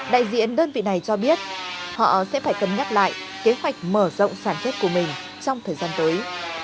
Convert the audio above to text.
đại diện đơn vị này cho biết họ sẽ phải cân nhắc lại kế hoạch mở rộng sản xuất của mình trong thời gian tới